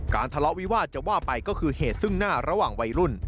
ทะเลาะวิวาสจะว่าไปก็คือเหตุซึ่งหน้าระหว่างวัยรุ่น